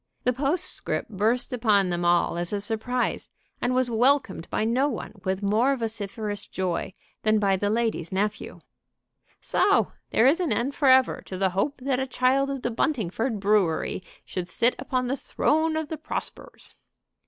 The postscript burst upon them all as a surprise, and was welcomed by no one with more vociferous joy than by the lady's nephew. "So there is an end forever to the hope that a child of the Buntingford Brewery should sit upon the throne of the Prospers."